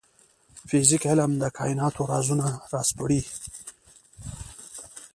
فزیک علم د کایناتو رازونه راسپړي